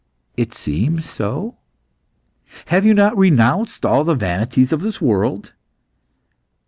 "It seems so." "Have you not renounced all the vanities of this world?"